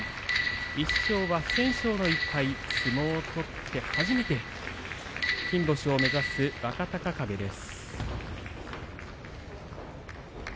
１勝は不戦勝相撲を取って初めての金星を目指す若隆景です。